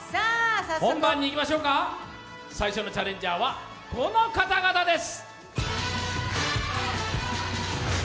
本番にいきましょうか、最初のチャレンジャーはこの方々です。